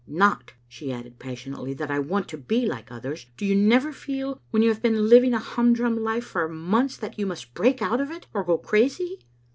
Not," she added, passion ately, "that I want to be like others. Do you never feel, when you have been living a humdrum life for months, that you must break out of it, or go crazy?"